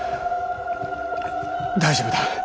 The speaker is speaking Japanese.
大丈夫だ。